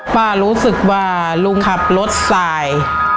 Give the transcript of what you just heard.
ป้ารู้สึกว่าลุงขับรถสาย